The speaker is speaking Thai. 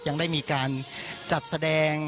ยังได้มีการจัดแสดง